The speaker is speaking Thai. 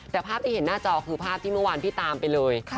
แต่ภาพที่เห็นหน้าจอคือภาพที่เมื่อวานพี่ตามไปเลย